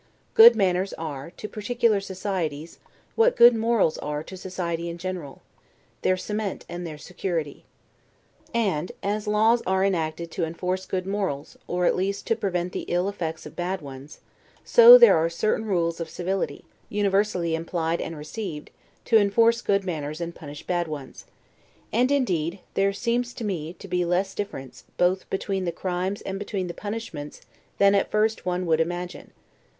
Good manners are, to particular societies, what good morals are to society in general; their cement and their security. And, as laws are enacted to enforce good morals, or at least to prevent the ill effects of bad ones; so there are certain rules of civility, universally implied and received, to enforce good manners and punish bad ones. And, indeed, there seems to me to be less difference, both between the crimes and between the punishments than at first one would imagine.